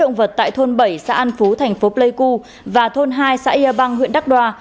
mỡ động vật tại thôn bảy xã an phú thành phố pleiku và thôn hai xã yerbang huyện đắk đoa